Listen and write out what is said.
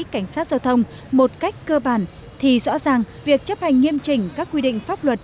cảnh sát giao thông một cách cơ bản thì rõ ràng việc chấp hành nghiêm chỉnh các quy định pháp luật